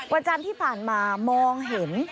วันจันทร์ที่ผ่านมามองเห็น